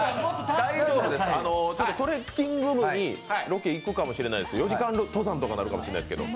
大丈夫です、トレッキング部にロケ行くかもしれないので４時間登山とかになるかもしれないですけど。